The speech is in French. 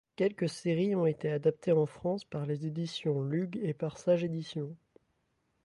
Quelques séries ont été adaptées en France par les Éditions Lug et par Sagédition.